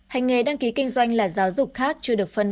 hành nghề đăng ký kinh doanh là giáo dục khác